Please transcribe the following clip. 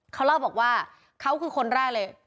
เขาเล่าบอกว่าเขาคือคนแรกเลย